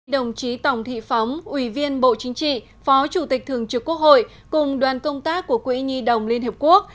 đồng chí tòng thị phóng ủy viên bộ chính trị phó chủ tịch thường trực quốc hội cùng đoàn công tác của quỹ nhi đồng liên hợp quốc